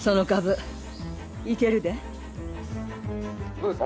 どうですか？